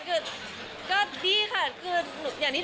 อุ๊ยจริงมากจริงดี